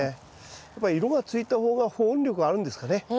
やっぱり色がついた方が保温力あるんですかね。